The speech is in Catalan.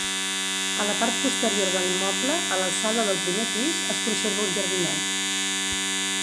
A la part posterior de l'immoble, a l'alçada del primer pis, es conserva un jardinet.